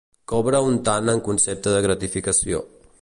Cobra un tant en concepte de gratificació.